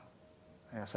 saya juga sudah divaksin